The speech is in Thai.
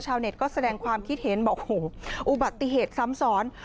เน็ตก็แสดงความคิดเห็นบอกอุบัติเหตุซ้ำซ้อน